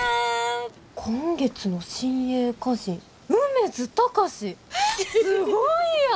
「今月の新鋭歌人梅津貴司」！えっすごいやん！